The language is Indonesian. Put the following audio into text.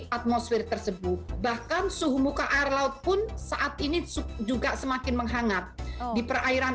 atmosfer tersebut bahkan suhu muka air laut pun saat ini juga semakin menghangat di perairan